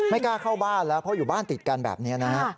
กล้าเข้าบ้านแล้วเพราะอยู่บ้านติดกันแบบนี้นะฮะ